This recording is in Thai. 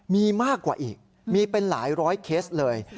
มีมากกว่าอีกมีเป็นหลายร้อยเคสเลย